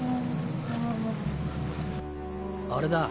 あれだ。